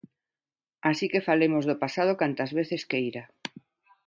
Así que falemos do pasado cantas veces queira.